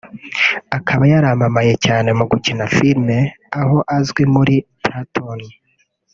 akaba yaramamaye cyane mu gukina Filime aho azwi muri Platoon